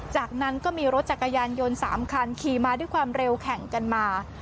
จากนั้นก็มีรถจักรยานยนต์๓คันขี่มาด้วยความเร็วแข่งกันมา